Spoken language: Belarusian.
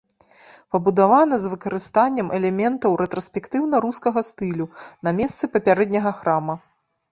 Пабудавана з выкарыстаннем элементаў рэтраспектыўна-рускага стылю на месцы папярэдняга храма.